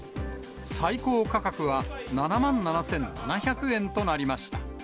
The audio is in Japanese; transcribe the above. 最高価格は７万７７００円となりました。